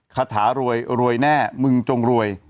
คาถารวยรวยแน่มึงจงรวย